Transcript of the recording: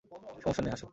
সমস্যা নেই, হাসো!